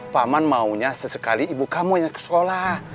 paman maunya sesekali ibu kamu yang ke sekolah